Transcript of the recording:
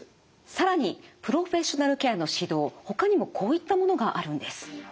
更にプロフェッショナルケアの指導ほかにもこういったものがあるんです。